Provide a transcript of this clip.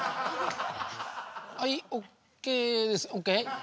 はいＯＫです。ＯＫ？